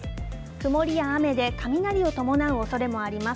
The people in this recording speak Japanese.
曇りや雨で雷を伴うおそれもあります。